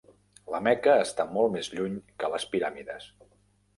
La Meca està molt més lluny que les piràmides.